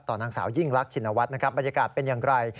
นางสาวยิ่งรักชินวัฒน์นะครับบรรยากาศเป็นอย่างไร